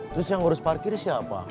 terus yang ngurus parkir siapa